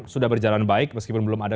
sudah berjalan baik meskipun belum ada